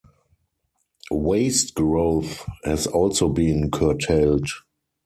Waste growth has also been curtailed.